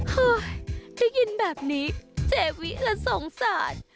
เฮ้ยได้ยินแบบนี้เจวิละสงสาร